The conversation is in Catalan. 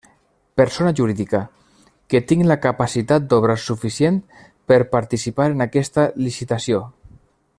Persona jurídica: que tinc la capacitat d'obrar suficient per participar en aquesta licitació.